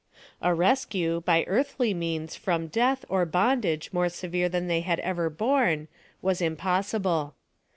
A rescue, by earthly means, from death, or bondage more severe than they had ever borne, was impossible.